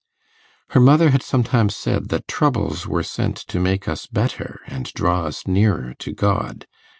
Her mother had sometimes said that troubles were sent to make us better and draw us nearer to God.